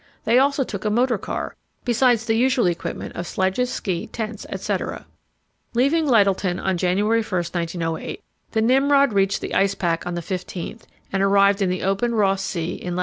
They also took a motor car, besides the usual equipment of sledges, ski, tents, etc. Leaving Lyttelton on January 1, 1908, the Nimrod reached the ice pack on the 15th, and arrived in the open Ross Sea in lat.